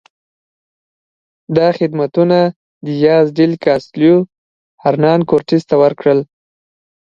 دا خدمتونه دیاز ډیل کاسټیلو هرنان کورټس ته وکړل.